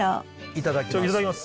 いただきます。